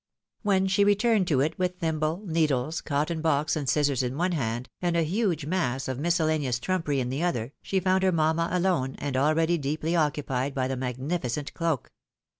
When she returned to it with thimble, needles, cotton box, and scissors in one hand, and a huge mass of miscellaneous trumpery in the other, she found her mamma alone, and already deeply occupied by the magnificent cloak.